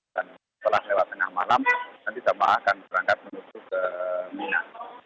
dan setelah lewat tengah malam nanti jamaah akan berangkat menuju ke mina